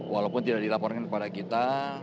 walaupun tidak dilaporkan kepada kita